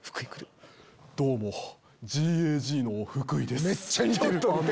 どうもＧＡＧの福井です。